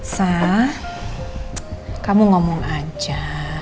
sah kamu ngomong aja